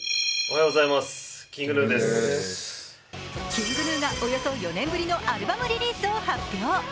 ＫｉｎｇＧｎｕがおよそ４年ぶりのアルバムリリースを発表。